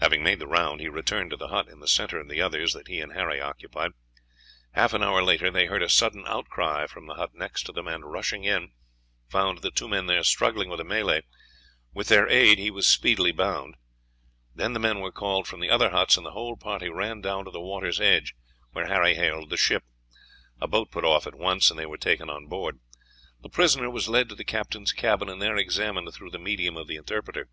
Having made the round, he returned to the hut in the center of the others that he and Harry occupied. Half an hour later, they heard a sudden outcry from the hut next to them, and rushing in, found the two men there struggling with a Malay. With their aid he was speedily bound; then the men were called from the other huts, and the whole party ran down to the water's edge, where Harry hailed the ship. A boat put off at once, and they were taken on board. The prisoner was led to the captain's cabin, and there examined through the medium of the interpreter.